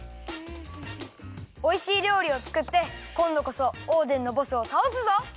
おいしいりょうりをつくってこんどこそオーデンのボスをたおすぞ！